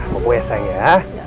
bapak ya sayang ya